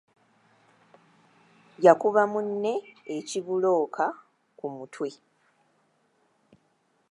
Yakuba munne ekibulooka ku mutwe.